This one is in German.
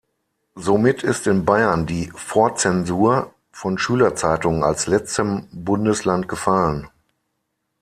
Somit ist in Bayern die Vorzensur von Schülerzeitungen als letztem Bundesland gefallen.